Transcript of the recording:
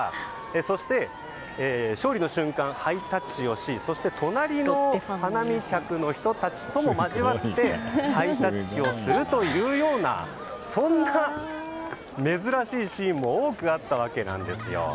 そして勝利の瞬間ハイタッチをしそして、隣の花見客の人たちとも交わってハイタッチをするというような珍しいシーンも多くあったわけなんですよ。